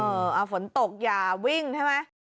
ฝนตกอย่าวิ่งใช่ไหม